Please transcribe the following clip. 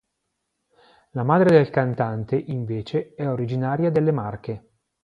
La madre del cantante, invece, è originaria delle Marche.